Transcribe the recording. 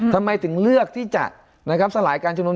ทำไมถึงเลือกที่จะสลายการชุมนุม